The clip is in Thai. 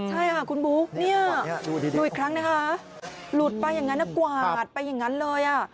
ใช่ค่ะคุณบุ๊คเนี่ยดูอีกครั้งนะคะหลุดไปอย่างนั้นกวาดไปอย่างนั้นเลยอ่ะ